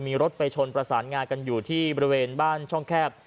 มีรถไปชนประสานงากันอยู่ที่บริเวณบ้านช่องแคบ